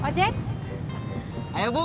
tidak ada yang bisa dihukum